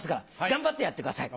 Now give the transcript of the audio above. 頑張ってやってください。